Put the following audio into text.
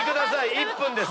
１分です。